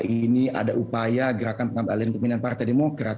ini ada upaya gerakan pengambilan keminan partai demokrat